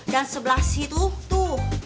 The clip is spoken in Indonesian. dan sebelah situ tuh